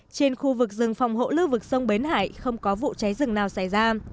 trên khu vực rừng phòng hộ lưu vực sông bến hải không có vụ cháy rừng nào xảy ra